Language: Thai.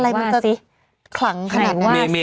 อะไรมันจะขลังขนาดนั้น